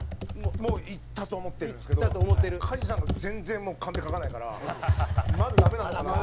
もういったと思ってるんですけど加地さんが全然カンペ書かないからまだダメなのかなって。